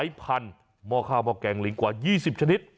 ยืนยันว่าม่อข้าวมาแกงลิงทั้งสองชนิด